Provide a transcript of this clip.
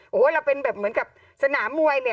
โอ้โหเราเป็นแบบเหมือนกับสนามมวยเนี่ย